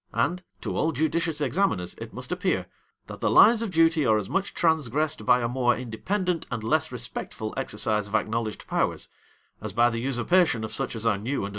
And, to all judicious examiners, it must appear, "That the lines of duty are as much transgressed by a more independent and less respectful exercise of acknowledged powers, as by the usurpation of such as are new and unusual."